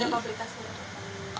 berapa aplikasi itu